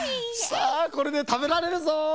さあこれでたべられるぞ！